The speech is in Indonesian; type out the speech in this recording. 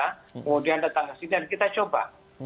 kemudian datang ke sini dan kita coba